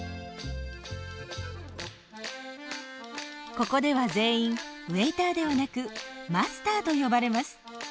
ここでは全員ウエイターではなくマスターと呼ばれます。